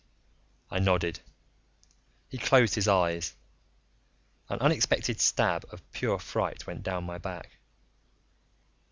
I nodded. He closed his eyes. An unexpected stab of pure fright went down my back.